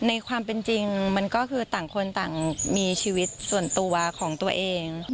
ในความเป็นจริงมันก็คือต่างคนต่างมีชีวิตส่วนตัวของตัวเอง